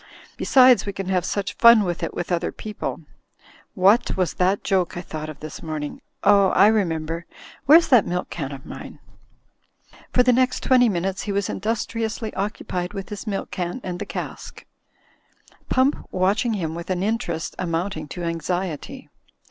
Besides, we can have such fun with it with other people — ^what was that joke I thought of this morning? Oh, I remember! Where's that milk can of mine?" For the next twenty minutes he was industriously occupied with his milk can and the cask; Pump watch ing him with an interest amounting to anxiety.